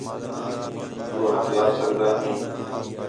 تُو ہَتھ لا سڳدا ہیں